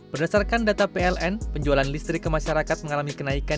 berdasarkan data pln penjualan listrik ke masyarakat mengalami kenaikan